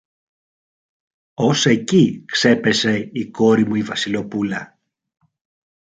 Ως εκεί ξέπεσε η κόρη μου η Βασιλοπούλα;